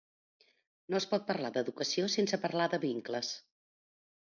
No es pot parlar d’educació sense parlar de vincles.